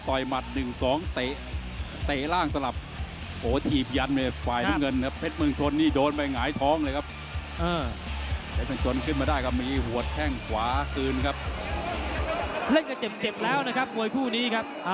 แข้งมีเป็นอนิสัยแรกนะครับมวยคู่นี้